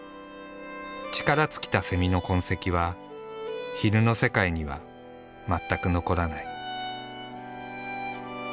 力尽きたセミの痕跡は昼の世界には全く残らない。